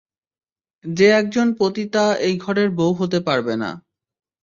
যে একজন পতিতা এই ঘরের বউ হতে পারবে না।